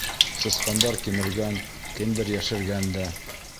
— Сысҡандар кимергән, кемдер йәшергән дә...